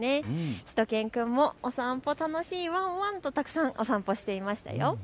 しゅと犬くんもお散歩楽しいワンワンとたくさんお散歩していました。